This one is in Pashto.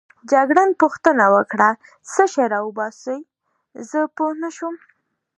جګړن پوښتنه وکړه: څه شی راوباسې؟ زه پوه نه شوم.